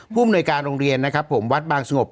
ผู้มนุยการโรงเรียนนะครับวัดบางสงบ